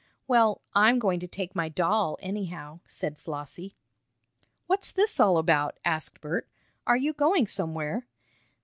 "Well, I'm going to take my doll, anyhow," said Flossie. "What's this all about?" asked Bert. "Are you going somewhere?"